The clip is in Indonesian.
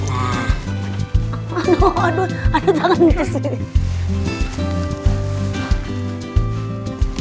aduh ada tangan di sini